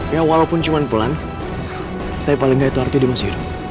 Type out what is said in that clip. ya walaupun cuma pelan tapi paling enggak itu artinya dia masih hidup